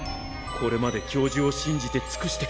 これまで教授を信じてつくしてきた。